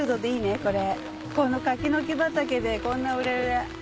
この柿の木畑でこんな熟れ熟れ。